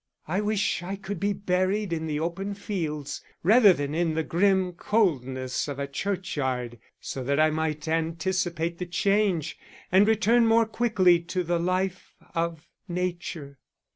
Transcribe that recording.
I wish I could be buried in the open fields, rather than in the grim coldness of a churchyard, so that I might anticipate the change, and return more quickly to the life of nature.